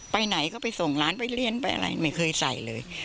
ไปไหนก็ไปส่งหลานไปเรียนไปอะไรไม่เคยใส่เลย